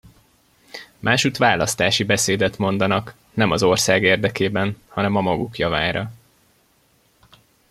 Másutt választási beszédet mondanak, nem az ország érdekében, hanem a maguk javára.